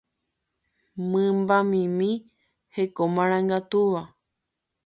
mymbamimi hekomarangatúva